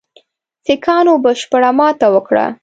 سیکهانو بشپړه ماته وکړه.